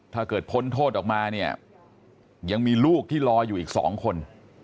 พ้นโทษออกมาเนี่ยยังมีลูกที่รออยู่อีก๒คน